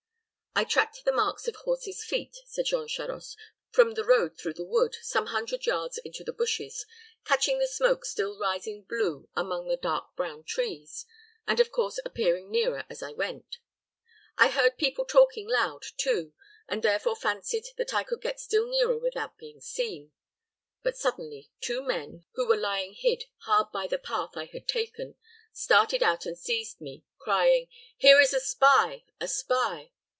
"I tracked the marks of horse's feet," said Jean Charost, "from the road through the wood, some hundred yards into the bushes, catching the smoke still rising blue among the dark brown trees, and, of course, appearing nearer as I went. I heard people talking loud, too, and therefore fancied that I could get still nearer without being seen. But suddenly, two men, who were lying hid hard by the path I had taken, started out and seized me, crying 'Here is a spy a spy!'